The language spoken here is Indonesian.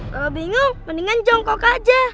kalau bingung mendingan jongkok aja